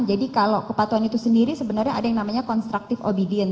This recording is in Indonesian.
jadi kalau kepatuhan itu sendiri sebenarnya ada yang namanya constructive obedience